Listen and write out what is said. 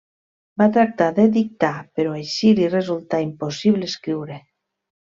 Va tractar de dictar, però així li resultà impossible escriure.